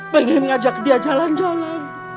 pengen ngajak dia jalan jalan